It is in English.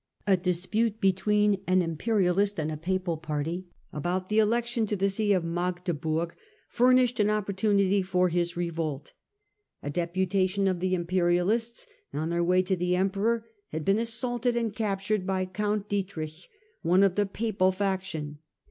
A dispute between an im perialist and a papal party about the election to the see Digitized by VjOOQIC The Last Years of Henry TV, \77 of Magdeburg furnished an opportunity for his revolt. A deputation of the imperialists, on their way to the emperor, had been assaulted and captured by count Dietrich, one of the papal faction.